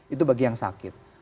itu bagi yang sakit